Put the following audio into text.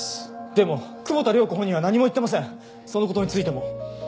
でも久保田涼子本人は何も言ってませんその事についても。